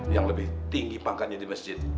yang lebih tinggi pangkatnya di masjid